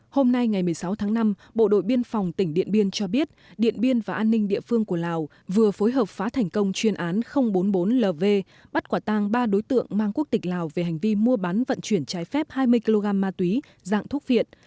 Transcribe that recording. hôm nay ngày một mươi sáu tháng năm bộ đội biên phòng tỉnh điện biên cho biết điện biên và an ninh địa phương của lào vừa phối hợp phá thành công chuyên án bốn mươi bốn lv bắt quả tang ba đối tượng mang quốc tịch lào về hành vi mua bán vận chuyển trái phép hai mươi kg ma túy dạng thuốc viện